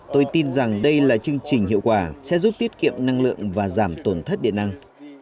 tôi tin rằng đây là chương trình hiệu quả sẽ giúp tiết kiệm năng lượng và giảm tổn thất điện năng